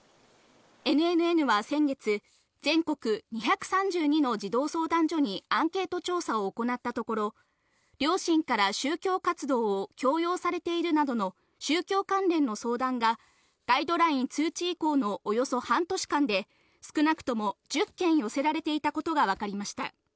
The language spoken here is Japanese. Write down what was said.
ＮＮＮは先月、全国２３２の児童相談所にアンケート調査を行ったところ、両親から宗教活動を強要されているなどの宗教関連の相談がガイドライン通知以降のおよそ半年間で少なくとも１０件寄せられていたことがわかりました。